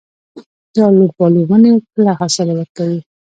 د الوبالو ونې کله حاصل ورکوي؟